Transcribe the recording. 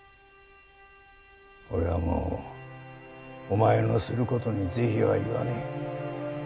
俺はもうお前のすることに是非は言わねぇ。